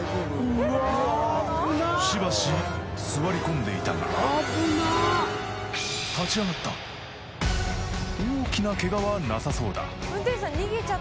しばし座り込んでいたが立ち上がった大きなケガはなさそうだ